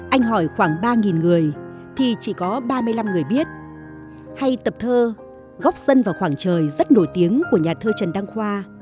anh hỏi khoảng ba người thì chỉ có ba mươi năm người biết hay tập thơ góp sân vào khoảng trời rất nổi tiếng của nhà thơ trần đăng khoa